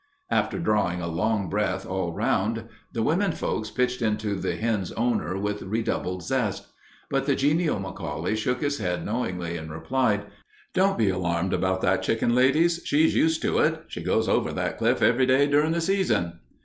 After drawing a long breath all round, the women folks pitched into the hen's owner with redoubled zest. But the genial McCauley shook his head knowingly, and replied: "Don't be alarmed about that chicken, ladies. She's used to it. She goes over that cliff every day during the season."